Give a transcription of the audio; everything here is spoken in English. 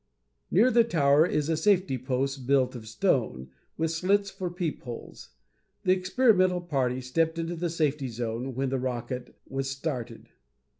Near the tower is a safety post built of stone, with slits for peepholes. The experimental party stepped into the safety zone when the rocket was started.